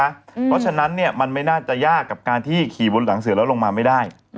เพราะฉะนั้นมันไม่น่าจะยากกับการที่ขี่บนหลังเสือแล้วลงมาไม่ได้